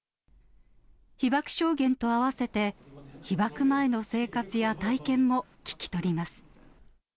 被爆証言と合わせて、被爆前の生活や体験も聞き取ります。